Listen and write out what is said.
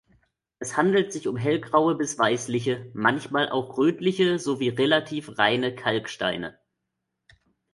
Es handelt sich um hellgraue bis weißliche, manchmal auch rötliche sowie relativ reine Kalksteine.